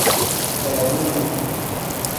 زادبوم او